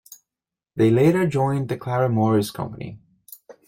They later joined the Clara Morris company.